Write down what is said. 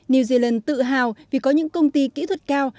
nhân tự hào vì có những công ty kỹ thuật cao